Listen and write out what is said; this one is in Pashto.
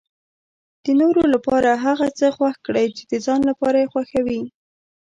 د نورو لپاره هغه څه خوښ کړئ چې د ځان لپاره یې خوښوي.